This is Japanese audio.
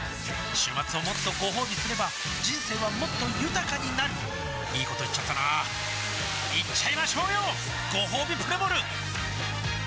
週末をもっとごほうびすれば人生はもっと豊かになるいいこと言っちゃったなーいっちゃいましょうよごほうびプレモル